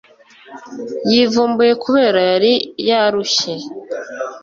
yivumbuye kubera yari yarushye